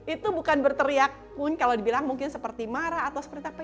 itu bukan berteriak pun kalau dibilang mungkin seperti marah atau seperti apa